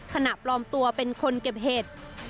ขณะปลอมตัวเป็นคนเก็บเหตุ